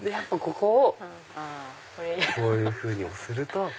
ここをこういうふうにすると。